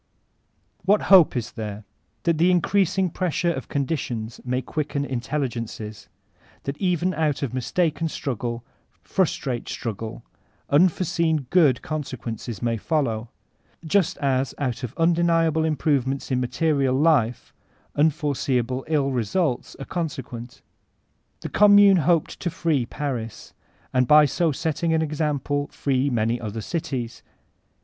What hope is there? That the increasing pressure of conditions may quicken intelligences; that even out of mistaken struggle, frustrate struggle, unforeseen good consequences may flow, just as out of undeniable im* provements in material life, unforeseeable ill results are consequent The 0>mmune hoped to free Paris, and by so setting an example free many other cities.